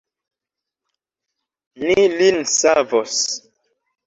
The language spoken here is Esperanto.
Ni lin savos.